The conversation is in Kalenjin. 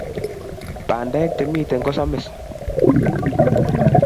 Bandek che miten ko samis